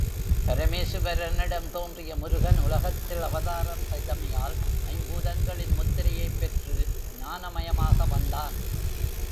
பரமேசுவரனிடம் தோன்றிய முருகன் உலகத்தில் அவதாரம் செய்தமையால் ஐம்பூதங்களின் முத்திரையைப் பெற்று, ஞான மயமாக வந்தான்.